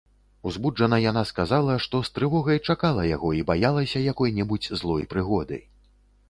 Узбуджана яна сказала, што з трывогай чакала яго і баялася якой-небудзь злой прыгоды.